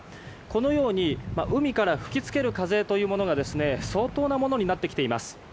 このように海から吹き付ける風というものが相当なものになってきています。